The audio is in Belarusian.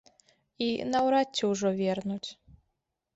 І наўрад ці ўжо вернуць.